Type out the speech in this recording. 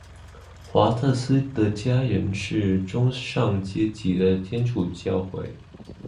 华特斯的家人是中上阶级的天主教会。